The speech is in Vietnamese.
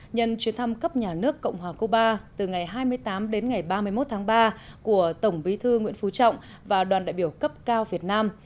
nhân chuyến thăm cấp nhà nước cộng hòa cuba từ ngày hai mươi tám đến ngày ba mươi một tháng ba của tổng bí thư nguyễn phú trọng và đoàn đại biểu cấp cao việt nam